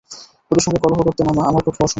ওদের সঙ্গে কলহ করতে নামা আমার পক্ষে অসম্ভব।